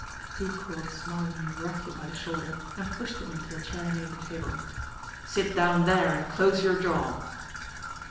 He caught Smarlinghue roughly by the shoulder, and pushed him into a chair near the table. "Sit down there, and close your jaw!"